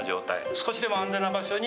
少しでも安全な場所に。